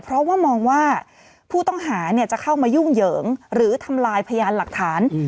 เพราะว่ามองว่าผู้ต้องหาจะเข้ามายุ่งเหยิงหรือทำลายพยานหลักฐาน